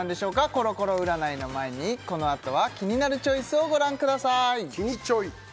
コロコロ占いの前にこの後は「キニナルチョイス」をご覧ください「キニチョイ」